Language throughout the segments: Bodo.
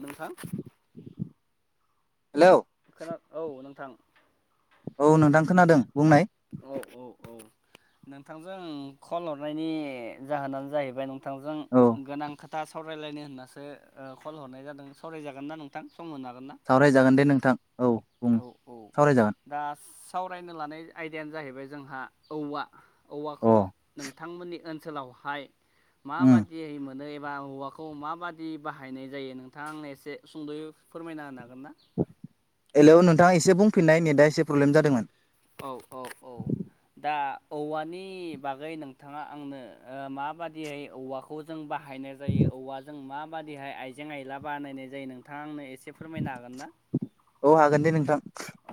नोंथां। हेलौ खोना औ नोंथां। औ नोंथां खोनादों बुंनाय। औ औ औ नोंथांजों आं कल हरनायनि जाहोनानो जाहैबाय नोंथां नोंथांजों औ गोनां खोथा सावरायलायनो होननासो ओह कल हरनाय जादों सावरायजागोनना नोंथां? सम होनो हागोन ना नोंथाङा सावरायजागोन दे नोंथां औ बुं सावरायजागोन दा सावरायनो लानाय आयदायानो जाहैबाय जोंहा औवा औवाखौ अ नोंथांमोननि ओनसोलावहाय उम माबादियै मोनो मोनो एबा हौवाखौ माबादि बाहायनाय जायो नोंथाङा आंनो एसे सुंद'यै फोरमायना होनो हागोन। ना हेलौ नोंथाङा एसे बुंफिननाय नेटआ एसे प्रब्लेम जादोंमोन। औ औ औ दा औवानि बागै नोंथाङा आंनो ओ माबादियै औवाखौ जों बाहाय बाहायनाय जायो औवाजों माबादिहाय आइजें आइला बानायनाय जायो नोंथां आंनो एसे एसे फोरमायनो हागोन ना?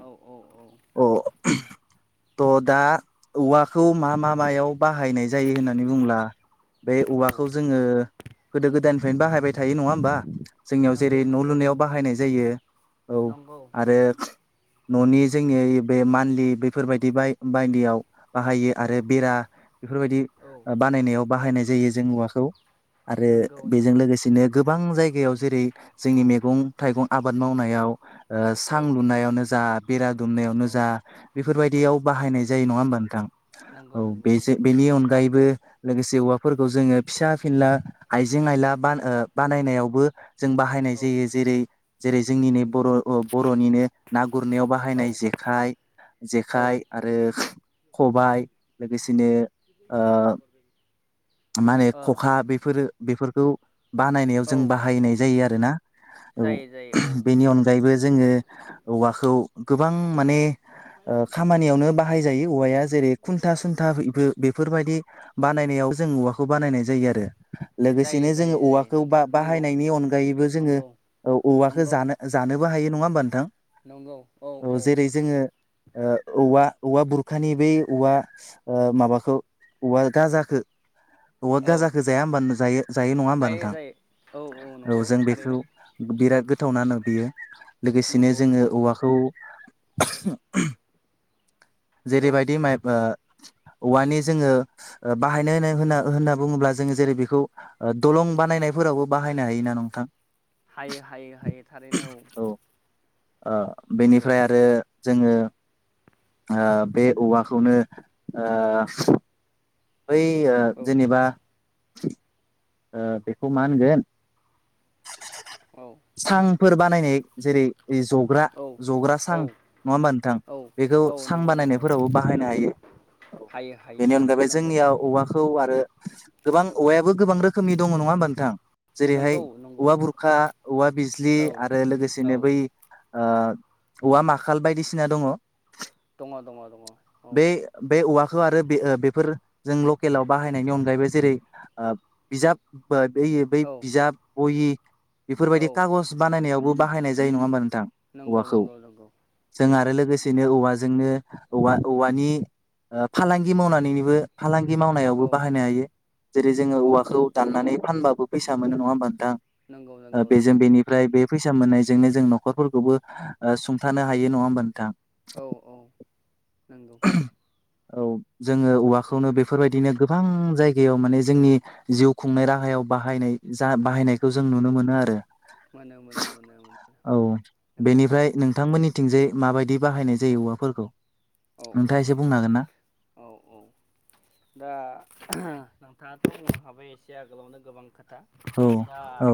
औ औ औ। औ। ट' दा औवाखौ मा मा मायाव बाहायनाय जायो होननानै बुंब्ला बे औ औवाखौ जोङो गोदो गोदायनिफ्रायनो बाहायबाय थायो नङा होमबा? जोंनियाव जेरै नंगौ न' नंगौ लुनायाव नंगौ बाहायनाय जायो औ नंगौ आरो न'नि जोंनिया ओइ बे मान्लि बेफोरबायदि बाय-बायदियाव बाहायो औ औ आरो बेरा बेफोरबायदि औ बानायनायाव बाहायनाय जायो जों औवाखौ। आरो नंगौ बेजों नंगौ लोगोसेनो गोबां जायगायाव जेरै जोंनि औ मैगं थाइगं आबाद आबाद मावनायाव ओ औ सां लुनायावनो जा बेरा दुमनायावनो औ जा औ बेफोरबायदियाव बाहायनाय जायो नङा होमबा नोंथां नंगौ औ नंगौ बे जे नंगौ बेनि अनगायैबो लोगोसे औवाफोरखौ जोङो फिसा फिनला आइजें आइला बान-बानायनायावबो जों बाहायनाय औ जायो जेरै जेरै जोंनि नै नंगौ बर' अह बर'निनो ना गुरनायाव बाहाय औ बाहायनाय जेखाइ औ जेखाइ आरो खबाइ लोगोसेनो ओह मा होनो ओ खखा बेफोरो बेफोरखौ बानायनायाव औ जों बाहायनाय जायो आरोना। औ जायो जायो औ बेनि नंगौ अनगायैबो जोङो औवाखौ गोबां माने ओह खामानियावनो बाहाय जायो औवाया जेरै खुन्था सुन्था इबो बेफोरबायदि बानायनायाव जों औवाखौ बानायनाय जायो आरो। जायो लोगोसेनो जायो जोङो जायो औवाखौ नोंथां नंगौ बा-बाहायनायनि अनगायैबो जोङो नंगौ औ औवाखौ नंगौ जानो जानोबो हायो नङा होमबा नोंथां? नंगौ। औ जेरै जोङो ओ औवा औवा बुरखानि बै औवा ओह माबाखौ औवा गाजाखो औवा औ गाजाखो जाया होमबा नों जायो जायो नङा होमबा नोंथां? जायो औ औ नंगौ जों बेखौ थारैनो बिराद गोथावना बियो लोगोसेनो नंगौ जोङो नंगौ औवाखौ औ जेरैबायदि माइब ओ [inaudible] औवानि जोङो ओ बाहायनो होनो होनना होनना बुङोब्ला जोङो जेरै बेखौ दलं बानायनाय फोरावबो बाहायनो हायोना नोंथां हायो हायो हायो थारैनो औ। ओ नंगौ बेनिफ्राय आरो जोङो ओ बे औवाखौनो ओ बै ओ औ जेनेबा ओ बेखौ मा होनगोन औ सां फोर बानायनाय जेरै जग्रा औ जग्रा औ सां नङा होमबा नोंथां औ बेखौ औ सां नंगौ नंगौ बानायनायफोरावबो बाहायनो हायो। [unintelligible] हायो बेनि थारैनो अनगायैबो नंगौ जोंनियाव औवाखौ आरो गोबां औवायाबो गोबां रोखोमनि दङ नङा होमबा नोंथां? जेरैहाय नंगौ नंगौ औवा बुरखा औवा बिजलि औ आरो औ लोगोसेनो बै ओ औवा माखाल बायदिसिना दङ। दङ दङ दङ औ। खौ आरो ओ बे-बेफोर जों लकेलाव बाहायनायनि अनगायैबो जेरै ओ बिजाब बै बै औ बिजाब बहि औ बेफोरबायदि कागज बानायनायावबो बाहायनाय जायो नङा होनबा नोंथ थां नंगौ औवाखौ नंगौ नंगौ जों आरो सैथो लोगोसेनो औवाजों जोंनो औवा औवानि ओ फालांगि मावनानैबो फालांगि मावनायावबो औ औ खौ दाननानै फानबाबो फैसा मोनो नङा होनबा नंगौ नोंथां नंगौ बेजों नंगौ बेनिफ्राय बे फैसा मोननायजोंनो जों न'खरफोरखौबो ओ सुंथानो हायो नङा होमबा नोंथां? औ औ नंगौ। औ जोङो औवाखौनो नंगौ बेफोरबायदिनो गोबां जायगायाव माने जोंनि जिउ खुंनाय राहायाव बाहायनाय जा बाहायनायखौ जों नुनो मोनो आरो। मोनो मोनो मोनो मोनो औ नंगौ बेनिफ्राय नोंथांमोननि थिंजाय माबायदि बाहायनाय जायो औवाफोरखौ? औ औ नोंथाङा एसे बुंनो हागोन ना? औ औ दा नोंथाङाथ' बुंनो खाबाय एसे आगोलावनो गोबां खोथा। था औ दा औ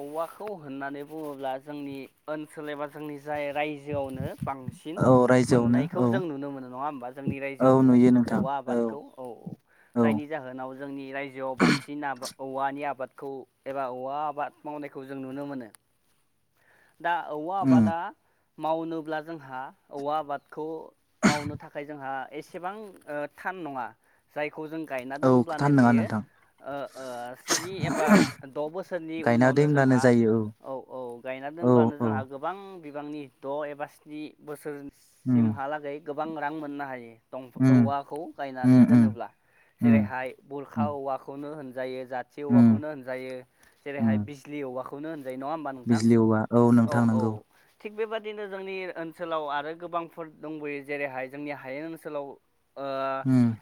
औवाखौ होननानै बुङोब्ला जोंनि ओनसोल एबा जोंनि जाय रायजोआवनो बांसिन औ रायजोआवनो मोननायखौ औ जों नुनो मोनो नङा होमबा जोंनि औ रायजोआवनो नुयो नोंथां औवा औ आबादखौ औ औ जायनि जाहोनाव जोंनि रायजोआव बांसिन आबाद औवानि आबादखौ एबा औवा आबाद मावनायखौ जों नुनो मोनो। दा औवा उम आबादा मावनोब्ला जोंहा औवा आबादखौ मावनो थाखाय जोंहा एसेबां ओ थान नङा जाय खौ जों गायना औ खोथा दोनब्लानो नङा बियो नोंथां ओ ओ स्नि एबा द' बोसोरनि गायना उनाव दोनब्लानो जायो औ। औ औ गायना औ दोनब्लानो औ जोंहा गोबां बिबांनि द' एबा स्नि उम बोसोरसिमहालागै गोबां रां मोननो हायो। दं उम औवाखौ गायनानै उम उम दोनोब्ला उम जेरैहाय उम बुरखा औवाखौनो होनजायो। जाथि उम औवाखौनो होनजायो उम जेरैहाय बिजलि औवाखौनो होनजायो नङा होमबा नोंथां? बिजलि औवा औ नोंथां नोंगौ। थिग बेबादिनो जोंनि ओनसोलाव आरो गोबांफोर दंबोयो जेरैहाय जोंनि हायेन ओनसोलाव। उम्म।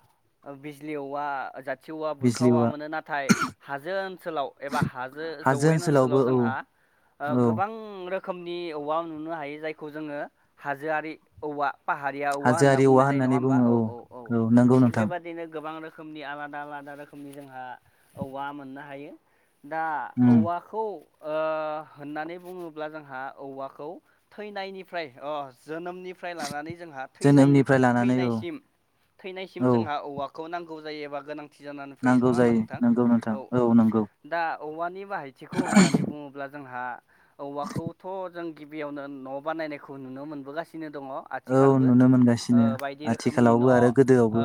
ओ बिजलि औवा जा थिवा औवा बुरखा औवा मोनो नाथाय हाजो ओनसोलाव एबा हाजो जौवेन ओनसोलावबो ओनसोलाव औ जोंहा ओ औ गोबां रोखोमनि औवा नुनो हायो जायखौ जोङो हाजोआरि औवा पाहारिया औवा होनना हाजोआरि बुंनाय जायो नङा होननानै होमबा बुङो औ औ औ नंगौ थिग नोंथां बेबदिनो गोबां रोखोमनि आलादा आलादा रोखोमनि जोंहा औवा मोननो हायो दा उम औवाखौ ओ होननानै बुङोब्ला जोंहा औवाखौ थैनायनिफ्राय अ जोनोमनिफ्राय लानानै जोंहा जोनोमनिफ्राय लानानै औ थैनायसिम थैनायसिम औ जोंहा औवाखौ नांगौ जायो एबा गोनां थि जानानै फैयो नांगौ नंङा होमबा जायो नोंथां नंगौ नोंथां औ औ नंगौ दा औवानि बाहायथिखौ होननानै बुंङोब्ला जोंहा औवाखौथ' जों गिबियावनो न' बानायनायखौ नुनो मोनबोगासिनो दङ औ आथिखालबो नुनो ओ मोनगासिनो बायदि रोखोमनि न' आथिखालावबो आरो ओ गोदोआवबो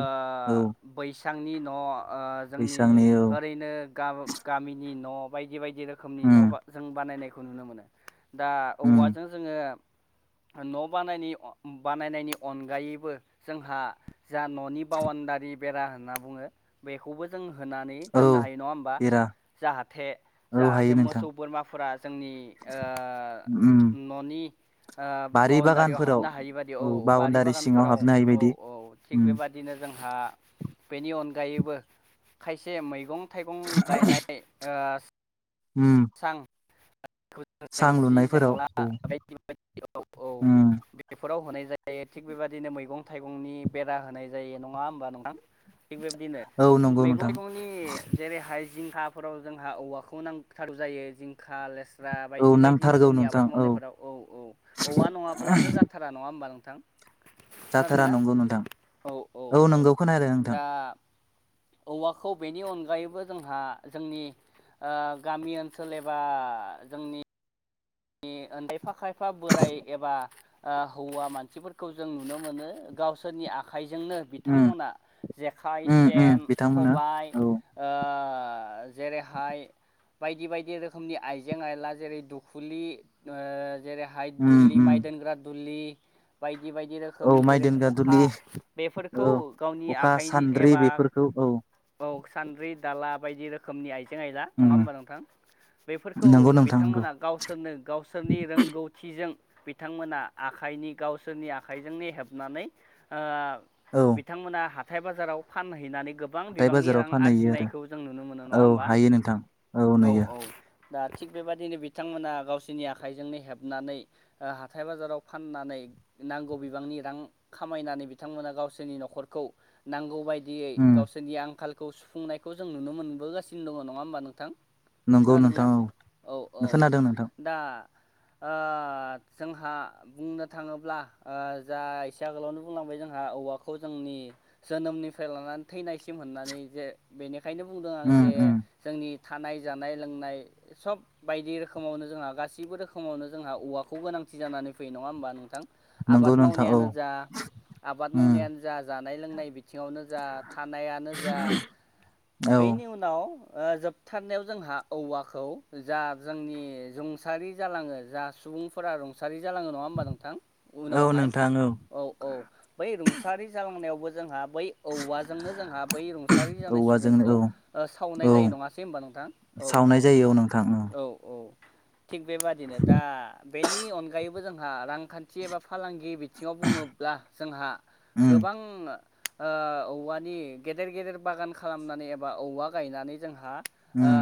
औ बै बिथांनि न' ओ जोंनि बैसांनि औ ओरैनो ग गामिनि न' बाय बदि बायदि रोखोमनि उम न'बा जों बानायनायखौ नुनो मोनो दा उम औवाजों जोंङो न' बानायनि बानायनायनि अनगायैबो जोंहा जा ननि बाउणडारि बेरा होनना बुङो बेखौबो जों औ होनानै दोन्नो बेरा हायो औ नङा हायो नोंथां होनबा फ्रा जोंनि उम ननि ओ बारि बाउणडारियाव बागानफोराव हाबनो हायि बाददि औ बारि बाउणडारि सिङाव बागानफोराव हाबनो हायि औ बायदि औ थिग उम बेबादिनो जोंहा बेनि अनगायैबो खायसे मैगं थाइगं गायनाय ओम सां [unintelligible] जेंसि जेंला औ बायदि बायदि औ औ उम बेफोराव होनाय जायो थिग बेबायदिनो मैगं थाइगंनि बेरा होनाय जायो नङा होमबा नङा थिग बेबदिनो औ नंगौ मैगं नोंथां थगंनि जेरैहाय जिंखाफोराव जोंहा औवाखौ नांथारौ जायो जिंखा लेस ब्रा औ बायदि बायदि नांथारगौ रोखोमनि नोंथां आबाद मावनायफोराव औ औ औवा नङाब्लानो जाथारा नङा होमबा नों जाथारा नंगौ नोंथां औ नंगौ खोनदो नोंथां दा औवाखौ बेनि अनगायैबो जोंहा जोंनि ओ गामि ओनसोल एबा जोंनि जोंनि खायफा खायफा बोराय एबा हौवा मानसिफोरखौ जों नुनो मोनो गावसोरनि आखाइ आखाइजोंनो उम बिथांमोना जेखाइ उम उम सेन बिथांमोना खबाय ओ औ ओ जेरैहाय बायदि बायदि रोखोमनि आइजें आइला जेरै दुखु फुलि जेरैहाय उम दुलि उम माइ दोनग्रा दुलि बायदि बिबायदि औ रोखोमनि माइ जेरै दोनग्रा खखा दुलि बेफोरखौ औ गावनि खखा आखाइनि सान्द्रि एबा बेफोरखौ औ औ सानन्द्रि दाला बायदि रोखनि आइें आइला नङा उम होनबा नोंथां बेफोरखौ नंगौ नोंथां नंगौ बिथांमोना गाव सोरनो गावसोरनि रोंगौथिजों बिथांमोना आखाइनि गावसोरनि आखाइजोंनो हेबनानै ओ औ बिथांमोना हाथाय बाजाराव फानहैनानै गोबां हाथाय बिबांनि बाजाराव रां फानहैयो आरजिनायखौ जों नुनो मोनो नङा आरो औ होमबा हायो नोंथां औ नुयो औ दा थिग बेबायदिनो बिथांमोना गावसोरनि आखाइजोंनो हेबनानै ओ हाथाय बाजाराव फाननानै नांगौ बिबांनि रां खामायनानै बिथांमोना गावसोरनि न'खरखौ नांगौ बायदि बिदियै उम गावसोरनि आंखालखौ सुफुंनायखौ जों नुनो मोनबोगासिनो दंङ नङा होमबा नोंथां नंगौ खोनादोंना? नोंथां औ [unintelligible] दा ओ जोंहा बुंनो थांङोब्ला ओ जा एसे आगोलावनो बुंलांबाय जोंहा औाखौ जोंनि जोनोमनिफ्राय लानानै थैनायसिमनानै जे बेनि खायनो बुंदों आं उम जे उम जोंनि थानाय जानाय लोंनाय सब बायदि रोखो मावनो जोंहा गासैबो रोखोमावनो जोंहा औवाखौ गोनांथि जानानै फैयो नङा होमबा नोंथां नंगौ आबाद नोंथां औ मावनायानो जा आबाद उम मावनायानो जा जानाय लोंनाय बि थिङावनो जा थानायानो जा औ बेनि उनाव ओ जोबथारनायाव जोंहा औवाखौ जा जोंनि रुंसारि जालाङो जा सुबुंफोरा रुंसारि जालाङो नाङा होनबा नोंथां औ उनावहाय नोंथां औ औ बै रु सारि जालांनायावबो जोंहा बै औवाजोंनो जोंहा बै रुंसारि जानाय औवाजोंनो सुबुंखौ औ सावनाय औ जायो नङासै होनबा नोंथां सावनाय जायो औ नोंथां औ औ थिग बेबादिनो दा बेनि अनगायैबो जोंहा रांखान्थि एबा फालांगि बिदि बिथिङाव बुङोब्ला जोंहा उम गोबां ओ औवानि गेदेर गेदेर बागान खालामनानै एबा औवा गायनानै जोंहा ओ उम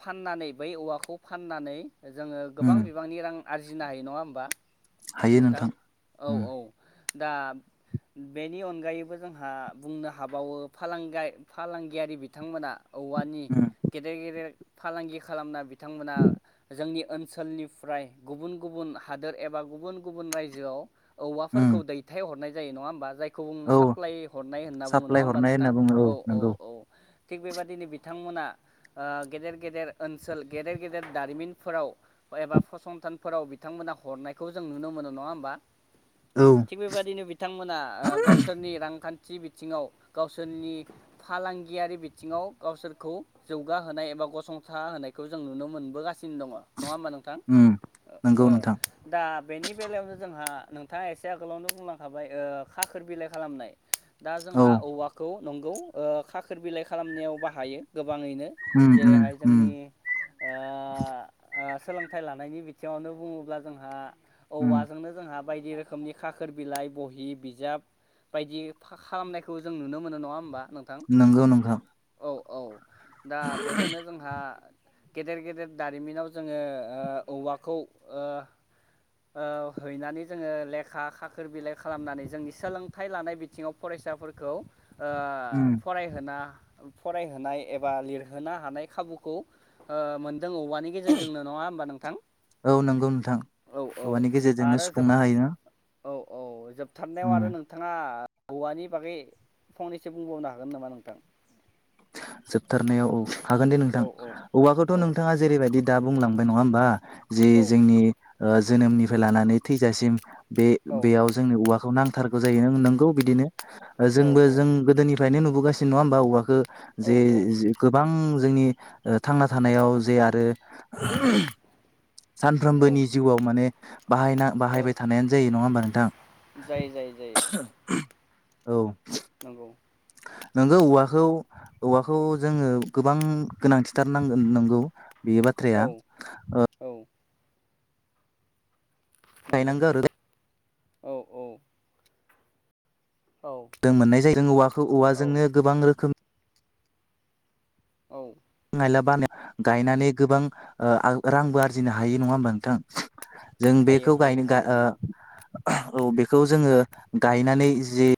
फाननानै बै औवाखौ फाननानै जोङो गोबां उम बिबांनि रां आरजिनो हायो नङा होमबा नोंथां औ उम औ दा बेनि अनगायैबो जोंहा बुंनो हाबावो फालांगाय फालांगियारि बिथांमोना औवानि उम गेदेर गेदेर फालांगि खालामना बिथांमोना जोंनि ओनसोलनिफ्राय गुबुन गुबुन हादोर एबा गुबुन गुबुन रायजोआव उम औवाफोरखौ दैथायहरनाय जायो नङा होमबा जाय खौ औ साप्लााय हरनाय होनना बुङो नङा साप्लाय होमबा हरनाय होनना नोंथां बुङो औ औ नंगौ औ थिग बेबादिनो बिथांमोना गेदेर गेदेर ओनसोल गेदेर गेदेर दारिमिनफोराव एबा फसंथानफोराव बिथांमोना हरनायखौ जों नुनो मोनो नङा होमबा औ थिग बेबायदियैनो बिथांमोना गावसोरनि रांखान्थि बिथिङाव गावसोरनि फालांगियारि बिथिङाव गावसोरखौ जौगाहोनाय एबा गसंथा होनायखौ जों नुनो मोनबोगासिनो सिन दङ नङा होमबा नोंथां उम नंगौ नोंथां दा बेनि बेलायावनो जोंहा नोंथाङा एसे आगोलावनो बुंलांखाबाय खाखोर बिलाइ खालामनाय दा औ जोंहा औवाखौ नंगौ ओ खाखोर बिलाइ खालामनायाव बाहायो गोबाङैनो उम उम जेरैहाय उम जोंनि ओ सोलोंथाइ लानायनि बिथिङावनो बुङोब्ला जोंहा उम औवाजोंनो जोंहा बायदि रोखोमनि खाखोर बिलाइ बहि बिजाब बायदि खालामनायखौ जों नुनो मोनो नङा होमबा नोंथां नंगौ नोंथां औ औ दा बेजोंनो जोंहा गेदेर गेदेर दारिमिनाव जोङो औवाखौ हैनानै जोङो लेखा खाखोर बिलाइ खालामनानै जोंनि सोलोंथाइ लानाय बिथिङाव फराय फिसाफोरखौ ओ उम फरायहोना फरायहोनाय एबा लिरहोनो हानाय खाबुखौ ओ मोनदों औवानि गेजेरजोंनो नङा होमबा नोंथां औ नंगौ नोंथां औ औ हौवानि गेजेरजोंनो आरो जोब सुफुंनो हायो औ औ [unintelligible] उम आरो नोंथाङा औवानि बागै फंनैसो बुंबावनो हागोन नामा नोंथां जोबथारनायाव औ हागोन दे नोंथां औ औ औवाखौथ' औ नोंथाङा जेरैबायदि दा बुंलांबाय नङा होमबा जे औ जोंनि जोनोमनिफ्राय लानानै थैजासिम बे औ बेयाव जोंनि औवाखौ नांथारगौ जायो नों नोंगौ बिदिनो औ जोंबो जों गोदोनिफ्रायनो नुबोगासिनो नङा होमबा औवाखौ औ जे औ गोबां जोंनि थांना थानायाव जे आरो औ सानफ्रोमबोनि जिउआव माने बाहायना औ बाहायबाय थानायानो जायो नङा होमबा नोंथां जायो जायो जायो औ नंगौ नोंगौ औवाखौ औवाखौ जोङो गोबां गोनांथिथारनांगोन नंगौ बेयो औ बाथ्राया ओ औ नंगौ गायनांगौ आरो औ औ औ दों मोननाय जायो जों औवाखौ औ औवाजोंनो गोबां रोखोम औ नायला बानाय गायनानै गोबां रांबो आरजिनो हायो नङा होमबा नोंथां जों हायो बेखौ हायो गायनो गा हायो ओ नंगौ औ बेखौ जोङो गायनानै जि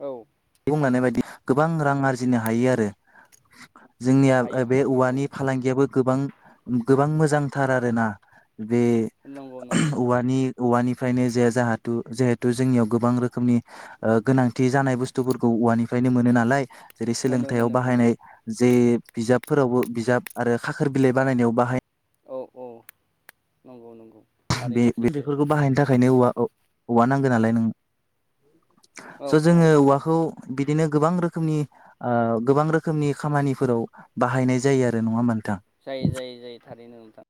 औ मानोबादि गोबां रां आरजिनो हायो आरो जोंनिया हायो बे हायो औवानि औ फालांगियाबो गोबां गोबां मोजांथार आरोना बे नंगौ नंगौ औवानि औवानिफ्रायनो जे जाथ जहेथु जोंनियाव गोबां रोखोमनि ओ गोनांथि जानाय बुस बुस्थुफोरखौ औवानिफ्रायनो मोनो नालाय जेरै मोनो सोलोंथाइयाव मोनो मोनो बाहायनाय जे बिजाबफोरावबो बिजाब आरो खाखोर बिलाइ बानायनायाव बाहाय औ औ नंगौ नंगौ बे थारैनो सैथो बेफोरखौ बाहायनो थाखायनो औव औवा नांगौ नालाय नों औ स' औ जोङो औवाखौ बिदिनो गोबां रोखोमनि ओ गोबां रोखोमनि खामानिफोराव बाहायनाय जायो आरो नङा होमबा नों जायो जायो जायो थारैनो नोंथां